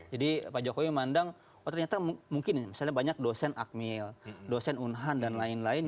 jadi pak jokowi melihat oh ternyata mungkin misalnya banyak dosen akmil dosen unhan dan lain lain